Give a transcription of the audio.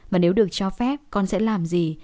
mà nếu được cho phép con sẽ làm gì